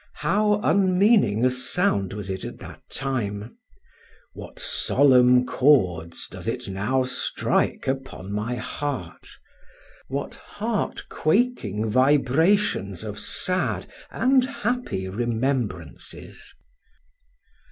How unmeaning a sound was it at that time: what solemn chords does it now strike upon my heart! what heart quaking vibrations of sad and happy remembrances!